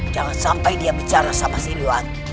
jangan sampai dia bicara sama si iluwadi